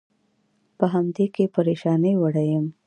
په همدې کې پرېشانۍ وړی یم.